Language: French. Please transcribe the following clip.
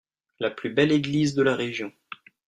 La plus belle église de la région.